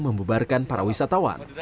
membebarkan para wisatawan